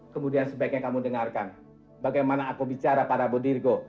kemudian sebaiknya kamu dengarkan bagaimana aku bicara pada pak dirgo